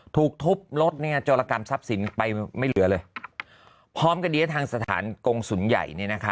ถูกทุบรถเนี่ยโจรกรรมทรัพย์สินไปไม่เหลือเลยพร้อมกันนี้ทางสถานกงศูนย์ใหญ่เนี่ยนะคะ